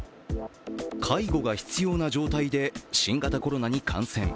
介護が必要な状態で新型コロナに感染。